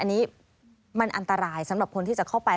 อันนี้มันอันตรายสำหรับคนที่จะเข้าไป